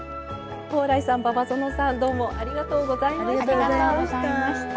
さん馬場園さんどうもありがとうごありがとうございました。